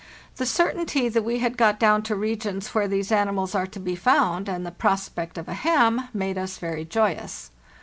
The certainty that we had got down to regions where these animals are to be found, and the prospect of a ham, made us very joyous.